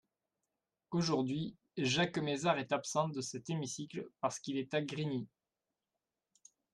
Aujourd’hui, Jacques Mézard est absent de cet hémicycle parce qu’il est à Grigny.